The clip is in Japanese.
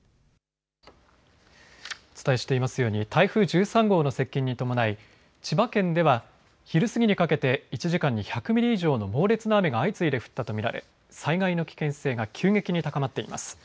お伝えしていますように台風１３号の接近に伴い千葉県では昼過ぎにかけて１時間に１００ミリ以上の猛烈な雨が相次いで降ったと見られ災害の危険性が急激に高まっています。